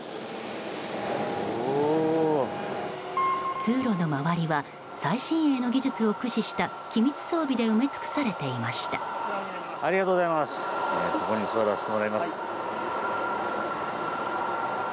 通路の周りは最新鋭の技術を駆使した機密装備で埋め尽くされていました。